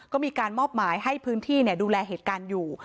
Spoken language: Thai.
ก็มีการมอบหมายให้พื้นที่ดูแลเหตุการณ์อยู่